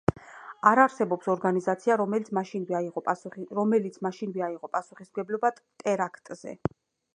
არ არსებობს ორგანიზაცია, რომელიც მაშინვე აიღო პასუხისმგებლობა ტერაქტზე.